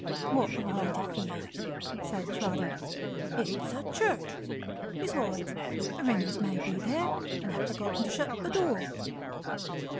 "What have I to fear?" said Trotty. "It's a church! Besides the ringers may be there, and have forgotten to shut the door."